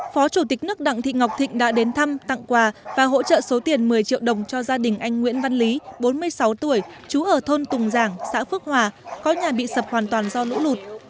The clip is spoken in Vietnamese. phó chủ tịch nước đặng thị ngọc thịnh đã đến thăm tặng quà và hỗ trợ số tiền một mươi triệu đồng cho gia đình anh nguyễn văn lý bốn mươi sáu tuổi trú ở thôn tùng giảng xã phước hòa có nhà bị sập hoàn toàn do lũ lụt